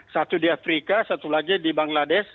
satu di afrika satu lagi di bangladesh